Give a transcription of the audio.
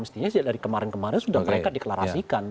mestinya dari kemarin kemarin sudah mereka deklarasikan